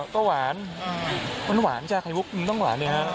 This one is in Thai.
ก็หวานมันหวานจ้ะไข่มุกมันต้องหวานเลยฮะ